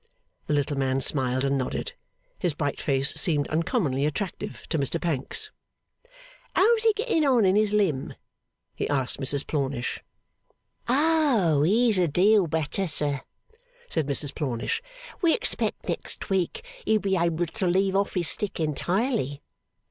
The little man smiled and nodded. His bright face seemed uncommonly attractive to Mr Pancks. 'How's he getting on in his limb?' he asked Mrs Plornish. 'Oh, he's a deal better, sir,' said Mrs Plornish. 'We expect next week he'll be able to leave off his stick entirely.